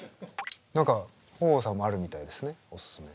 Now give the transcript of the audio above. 何か豊豊さんもあるみたいですねおすすめ。